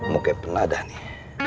muka peneladah nih